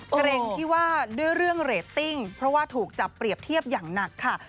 เพลงที่ว่าด้วยเรื่องเรตติ้งเพราะว่าถูกจับเปรียบเทียบอย่างหนักค่ะ